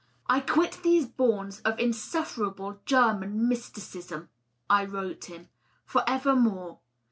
" I quit these bourns of insufferable German mysticism,'^ I wrote him, "for ever more.